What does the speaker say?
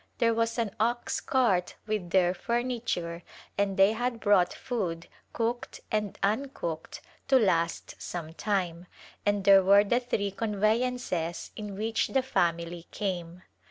There was an ox cart with their furniture and they had brought food — cooked and uncooked — to last some time, and there were the three conveyances in which the family came.